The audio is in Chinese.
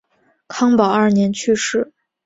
康保二年去世。